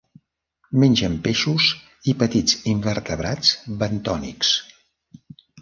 Mengen peixos i petits invertebrats bentònics.